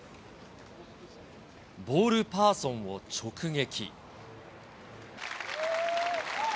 ボールパーソンを直撃。